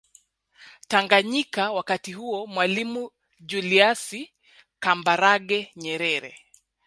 Tanganyika wakati huo Mwalimu juliusi Kambarage Nyerere